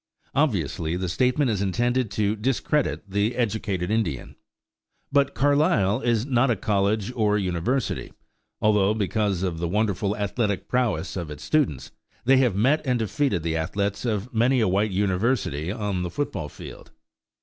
Obviously the statement is intended to discredit the educated Indian. But Carlisle is not a college or university, although, because of the wonderful athletic prowess of its students, they have met and defeated the athletes of many a white university on the football field.